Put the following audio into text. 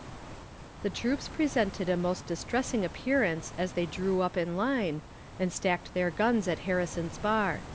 The troops presented a most distressing appearance as they drew up in line, and stacked their guns at Harrison's Bar.